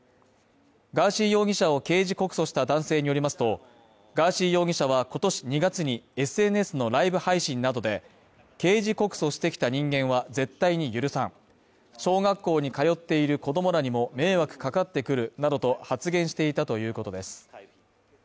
ガーシー容疑者を刑事告訴した男性によりますと、ガーシー容疑者は今年２月にＳＮＳのライブ配信などで刑事告訴してきた人間は絶対に許さん小学校に通っている子供らにも迷惑かかってくるなどと発言していたということです。